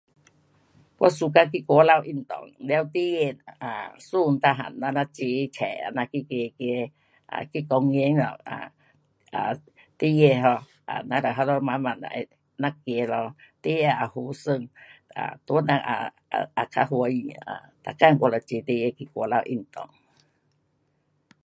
我 suka 去外头运动，了跟那 um 孙每样那那齐出这样去走走 um 去公园咯哒 um 事情 um，咱就那里慢慢的，咱走路，哪都好玩。um 大人也，也较好地运用，um 每天我就齐齐去外头运动。